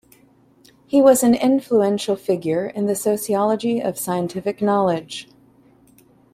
He was an influential figure in the sociology of scientific knowledge.